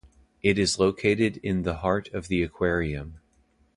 It is located in the heart of the aquarium.